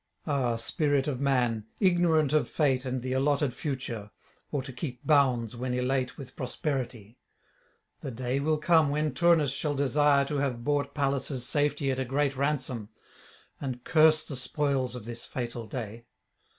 Ah spirit of man, ignorant of fate and the allotted future, or to keep bounds when elate with prosperity! the day will [503 535]come when Turnus shall desire to have bought Pallas' safety at a great ransom, and curse the spoils of this fatal day.